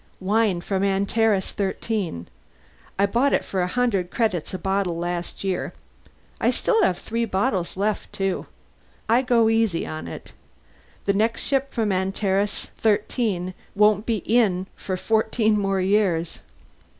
"Wine from Antares XIII. I bought it for a hundred credits a bottle last year. Still have three bottles left, too. I go easy on it; the next ship from Antares XIII won't be in for fourteen more years."